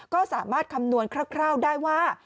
ก็สามารถคำนวณคร่าวได้ว่า